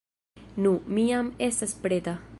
Nu, mi jam estas preta.